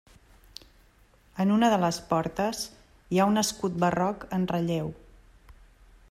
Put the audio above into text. En una de les portes hi ha un escut barroc en relleu.